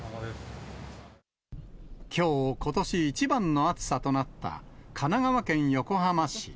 きょう、ことし一番の暑さとなった神奈川県横浜市。